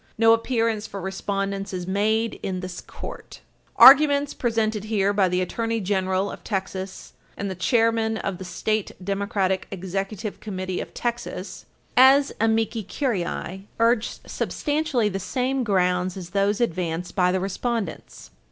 No appearance for respondents is made in this Court. Arguments presented here by the Attorney General of Texas and the Chairman of the State Democratic Executive Committee of Texas, as amici Page 321 U. S. 658 curiae, urged substantially the same grounds as those advanced by the respondents.